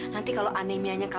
nanti kalau anemianya kekal